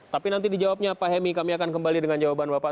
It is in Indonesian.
tapi nanti dijawabnya pak hemi kami akan kembali dengan jawaban bapak